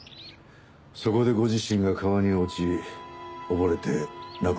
そこでご自身が川に落ち溺れて亡くなられた。